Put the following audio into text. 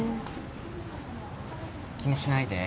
気にしないで。